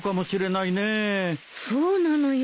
そうなのよ。